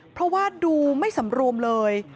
เพราะว่าดูไม่สำรวมเลย